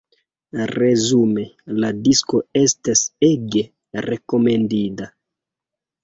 Resume: la disko estas ege rekomendinda!